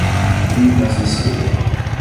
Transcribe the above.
intransmissível